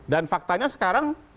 dan faktanya sekarang